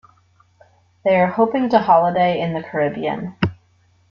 They are hoping to holiday in the Caribbean.